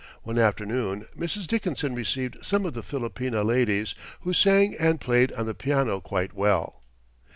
One afternoon Mrs. Dickinson received some of the Filipina ladies, who sang and played on the piano quite well.